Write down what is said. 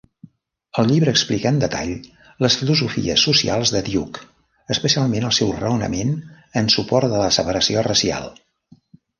El llibre explica en detall les filosofies socials de Duke, especialment el seu raonament en suport de la separació racial.